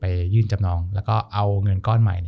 ยื่นจำนองแล้วก็เอาเงินก้อนใหม่